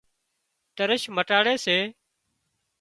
ترش مٽاڙي سي